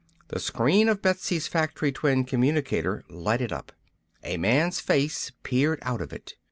The screen of Betsy's factory twin communicator lighted up. A man's face peered out of it.